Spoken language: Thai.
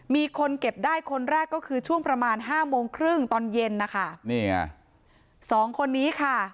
มีคนเก็บได้คนแรกก็คือช่วงประมาณ๕โมงครึ่งตอนเย็นสองคนนี้ค่ะ